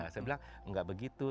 saya bilang enggak begitu